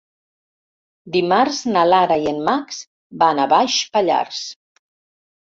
Dimarts na Lara i en Max van a Baix Pallars.